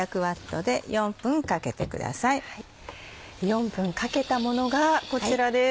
４分かけたものがこちらです。